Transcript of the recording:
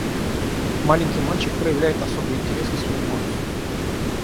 Маленький мальчик проявляет особый интерес к своему отцу.